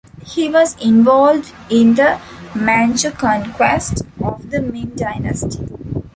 He was involved in the Manchu conquest of the Ming dynasty.